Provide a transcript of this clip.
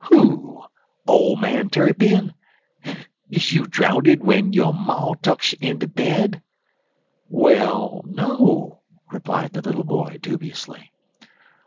"Who? Ole man Tarrypin? Is you drowndid w'en yo' ma tucks you in de bed?" "Well, no," replied the little boy, dubiously.